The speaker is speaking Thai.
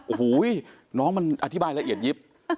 โอ้โหน้องมันอธิบายละเอียดยิบ